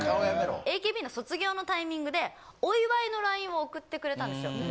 ＡＫＢの卒業のタイミングで、お祝いのＬＩＮＥを送ってくれたんですよ。